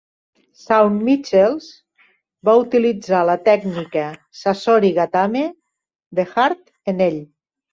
Shawn Michaels va utilitzar la tècnica Sasori-Gatame de Hart en ell.